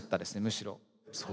むしろ。